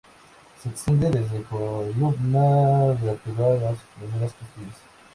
Se extiende desde la columna vertebral a las primeras costillas.